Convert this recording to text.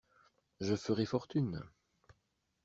Je ferai fortune.